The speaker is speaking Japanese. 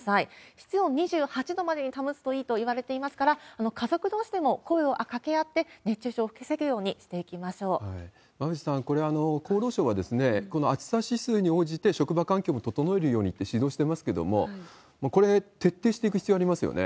室温２８度までに保つといいといわれていますから、家族どうしでも声をかけ合って、熱中症を防げるようにしていきま馬渕さん、これ、厚労省はこの暑さ指数に応じて職場環境も整えるようにって指導してますけれども、これ、徹底していく必要ありますよね。